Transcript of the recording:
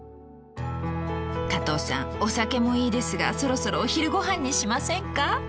加藤さんお酒もいいですがそろそろお昼ごはんにしませんか？